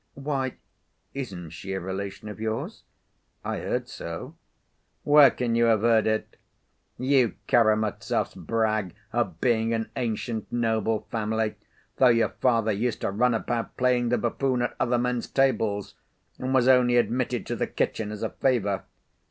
"Why, isn't she a relation of yours? I heard so." "Where can you have heard it? You Karamazovs brag of being an ancient, noble family, though your father used to run about playing the buffoon at other men's tables, and was only admitted to the kitchen as a favor.